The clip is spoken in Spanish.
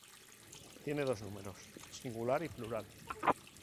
Tiene dos números: singular y plural.